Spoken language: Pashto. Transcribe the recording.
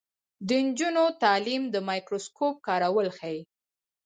د نجونو تعلیم د مایکروسکوپ کارول ښيي.